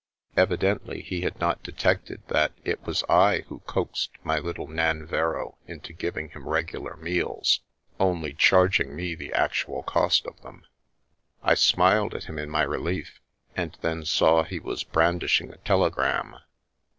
Evidently he had not detected that it was I who coaxed my little Nan verrow into giving him regular meals, only charging me the actual cost of them. I smiled at him in my relief, and then saw he was brandishing a telegram.